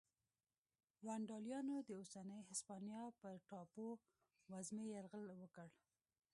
ونډالیانو د اوسنۍ هسپانیا پر ټاپو وزمې یرغل وکړ